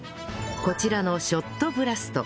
こちらのショットブラスト